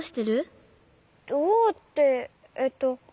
どうってえっと。